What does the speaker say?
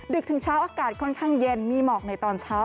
ถึงเช้าอากาศค่อนข้างเย็นมีหมอกในตอนเช้า